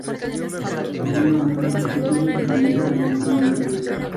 Posteriormente, Urd le da a Skuld un huevo de un ángel, Noble Scarlet.